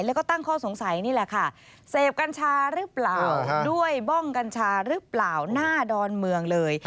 แล้วก็ตั้งข้อสงสัยเทพกัญชารึเปล่าด้วยบ้องกัญชารึเปล่าหน้าดอนเมืองเลย